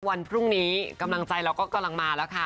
วันพรุ่งนี้กำลังใจเราก็กำลังมาแล้วค่ะ